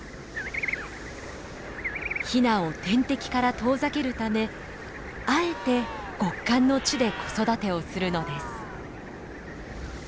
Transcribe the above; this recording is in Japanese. ヒナを天敵から遠ざけるためあえて極寒の地で子育てをするのです。